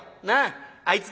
なあ。